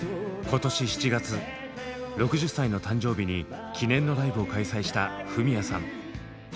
今年７月６０歳の誕生日に記念のライブを開催したフミヤさん。